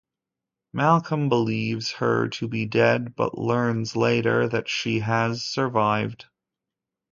Malcolm believes her to be dead, but learns later that she has survived.